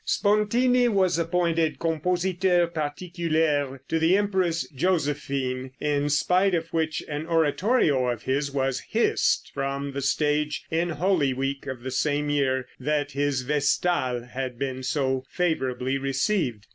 Spontini was appointed "Compositeur Particulaire" to the Empress Josephine, in spite of which an oratorio of his was hissed from the stage in Holy Week of the same year that his "Vestale" had been so favorably received.